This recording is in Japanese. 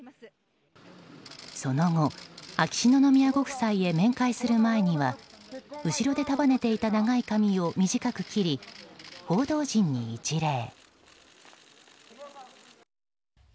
その後、秋篠宮ご夫妻へ面会する前には後ろで束ねていた長い髪を短く切り報道陣に一礼。